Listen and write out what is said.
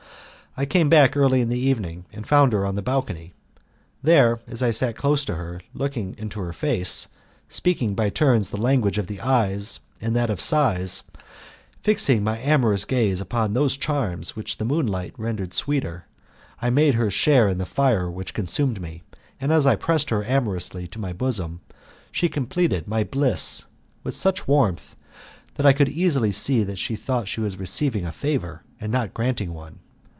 I came back early in the evening, and found her on my balcony. There, as I sat close to her looking into her face, speaking by turns the language of the eyes and that of sighs, fixing my amorous gaze upon those charms which the moonlight rendered sweeter, I made her share in the fire which consumed me; and as I pressed her amorously to my bosom she completed my bliss with such warmth that I could easily see that she thought she was receiving a favour and not granting one.